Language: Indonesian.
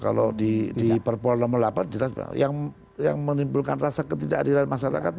kalau di perpu nomor delapan jelas yang menimbulkan rasa ketidakadilan masyarakat